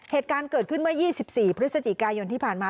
เหตุการณ์เกิดขึ้นเมื่อ๒๔พฤศจิกายนที่ผ่านมา